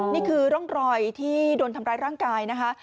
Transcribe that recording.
นี่คือร่องรอยที่โดนทำร้ายร่างกายนะคะ